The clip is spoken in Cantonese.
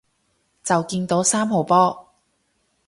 就見到三號波